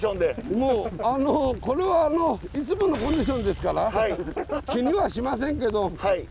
もうこれはいつものコンディションですから気にはしませんけど。